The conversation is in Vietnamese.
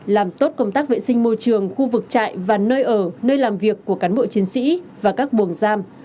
làm tốt công tác vệ sinh môi trường khu vực trại và nơi ở nơi làm việc của cán bộ chiến sĩ và các buồng giam